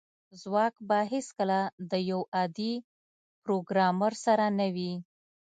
ځواک به هیڅکله د یو عادي پروګرامر سره نه وي